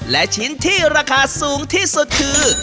และชิ้นที่ราคาสูงที่สุดคือ